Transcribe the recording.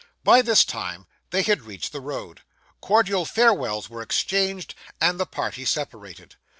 By this time they had reached the road. Cordial farewells were exchanged, and the party separated.